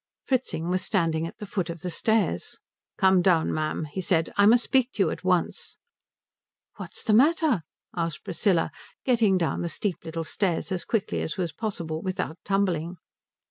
Fritzing was standing at the foot of the stairs. "Come down, ma'am," he said; "I must speak to you at once." "What's the matter?" asked Priscilla, getting down the steep little stairs as quickly as was possible without tumbling.